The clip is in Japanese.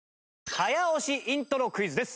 早押しイントロクイズです。